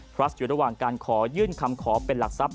พลัสอยู่ระหว่างการขอยื่นคำขอเป็นหลักทรัพย